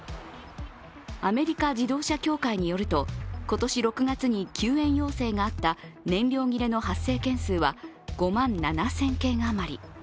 アメリカ自動車協会によると、今年６月に救援要請があった燃料切れの発生件数は５万７０００件あまり。